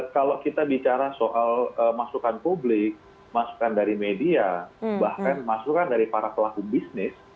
kalau kita bicara soal masukan publik masukan dari media bahkan masukan dari para pelaku bisnis